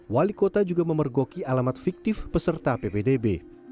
wali kota juga memergoki alamat fiktif peserta ppdb